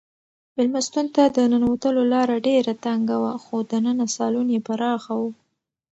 مېلمستون ته د ننوتلو لاره ډېره تنګه وه خو دننه سالون یې پراخه و.